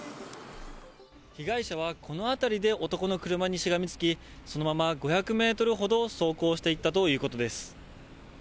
被害者はこの辺りで男の車にしがみつき、そのまま５００メートルほど走行していったということです。